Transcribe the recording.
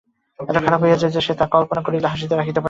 এত খারাপ হইয়া যায় যে, সে তাহা কল্পনা করিলে হাসি রাখিতে পারে না।